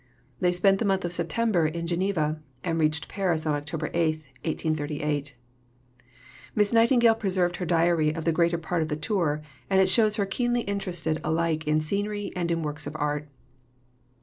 They spent the month of September in Geneva, and reached Paris on October 8, 1838. Miss Nightingale preserved her diary of the greater part of the tour, and it shows her keenly interested alike in scenery and in works of art.